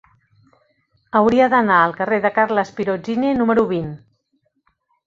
Hauria d'anar al carrer de Carles Pirozzini número vint.